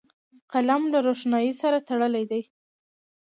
قلم له روښنايي سره تړلی دی